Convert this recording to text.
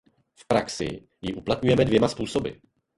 V praxi ji uplatňujeme dvěma způsoby.